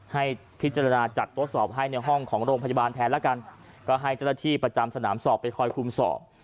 ให้พิจารณาจัดตรวจสอบให้ในห้องของโรงพยาบาลแทนแล้วกันก็ให้เจ้าหน้าที่ประจำสนามสอบไปคอยคุมสอบ